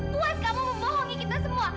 tuhan kamu membohongi kita semua